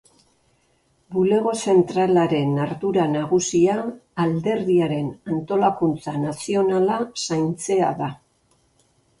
Bulego Zentralaren ardura nagusia alderdiaren antolakuntza nazionala zaintzea da.